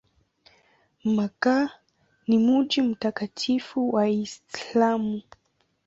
Makka ni mji mtakatifu wa Uislamu.